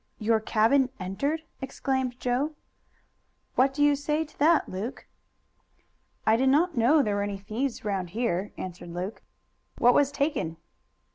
"Your cabin entered!" exclaimed Joe. "What do you say to that, Luke?" "I did not know there were any thieves round here," answered Luke. "What was taken?"